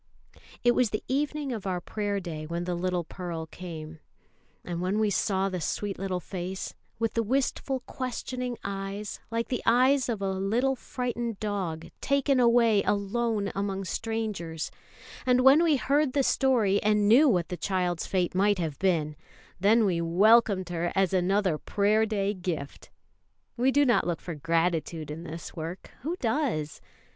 It was the evening of our Prayer day when the little Pearl came; and when we saw the sweet little face, with the wistful, questioning eyes like the eyes of a little frightened dog taken away alone among strangers, and when we heard the story, and knew what the child's fate might have been, then we welcomed her as another Prayer day gift. We do not look for gratitude in this work; who does?